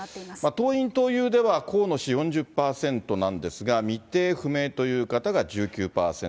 党員・党友では河野氏４０％なんですが、未定・不明という方が１９％、